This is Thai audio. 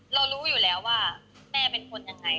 เรารู้อยู่แล้วว่าแม่เป็นคนอย่างไร